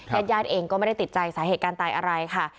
ญาติญาติเองก็ไม่ได้ติดใจสาเหตุการณ์ตายอะไรค่ะ